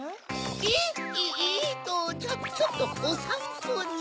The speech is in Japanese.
えっとちょっとおさんぽに。